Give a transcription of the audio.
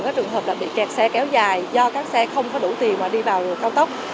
các trường hợp bị kẹt xe kéo dài do các xe không có đủ tiền mà đi vào cao tốc